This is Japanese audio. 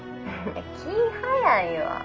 気ぃ早いわ。